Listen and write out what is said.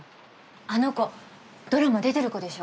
あの子ドラマ出てる子でしょ。